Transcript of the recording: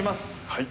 ◆はい。